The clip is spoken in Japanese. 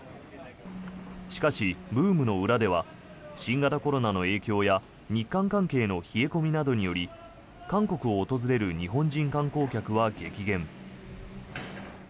しかし、ブームの裏では新型コロナの影響や日韓関係の冷え込みなどにより韓国を訪れる日本人観光客は激減。